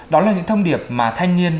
đó là những thông điệp mà thanh niên